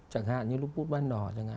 chẳng hạn như lúc bút ban đỏ